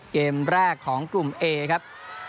เกมแรกของกลุ่มเอครับ